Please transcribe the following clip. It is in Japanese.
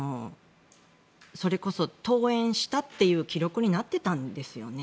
それこそ、登園したという記録になっていたんですよね。